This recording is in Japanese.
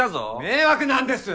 迷惑なんです！